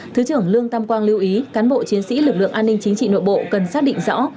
thứ trưởng lương tam quang lưu ý cán bộ chiến sĩ lực lượng an ninh chính trị nội bộ cần xác định rõ